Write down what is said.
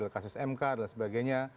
kasus mk dan sebagainya